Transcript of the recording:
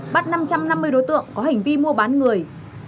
bắt năm trăm năm mươi đối tượng có hành vi mua bán người